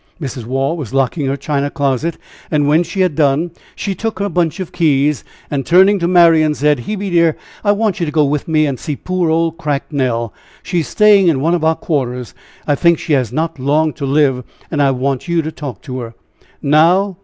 Mrs. Waugh was locking her china closet, and when she had done, she took her bunch of keys, and turning to Marian, said: "Hebe, dear, I want you to go with me and see poor old Cracked Nell. She is staying in one of our quarters. I think she has not long to live, and I want you to talk to her." "Now?"